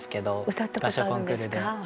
歌ってくれたことあるんですか？